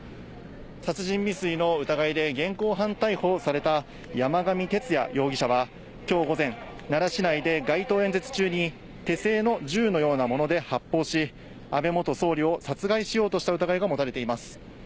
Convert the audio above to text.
殺人未遂の疑いで現行犯逮捕された山上徹也容疑者はきょう午前、奈良市内で街頭演説中に、手製の銃のようなもので発砲し、安倍元総理を殺害しようとした疑いが持たれています。